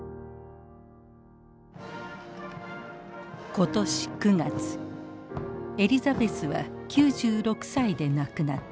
今年９月エリザベスは９６歳で亡くなった。